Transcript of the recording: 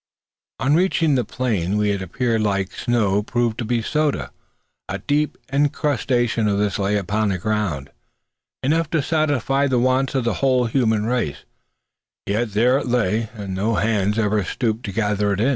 On reaching the plain, what had appeared like snow proved to be soda. A deep incrustation of this lay upon the ground, enough to satisfy the wants of the whole human race; yet there it lay, and no hand had ever stooped to gather it.